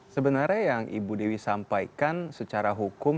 sebenarnya yang ibu dewi sampaikan secara hukum